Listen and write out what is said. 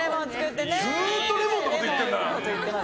ずっとレモンのこと言ってるな。